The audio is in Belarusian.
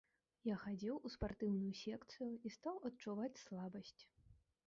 Я хадзіў у спартыўную секцыю, і стаў адчуваць слабасць.